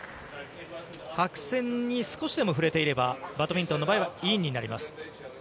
白線に少しでも触れていれば、バドミントンの場合はインになります。